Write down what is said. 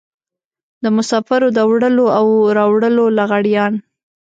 د مسافرو د وړلو او راوړلو لغړيان.